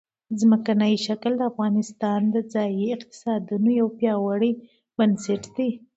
ځمکنی شکل د افغانستان د ځایي اقتصادونو یو پیاوړی بنسټ دی.